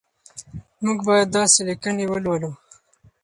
موږ باید داسې لیکنې ولولو.